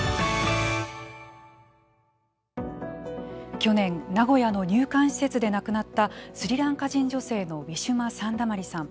去年名古屋の入管施設で亡くなったスリランカ人女性のウィシュマ・サンダマリさん。